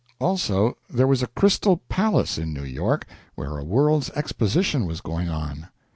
Also, there was a Crystal Palace in New York, where a world's exposition was going on.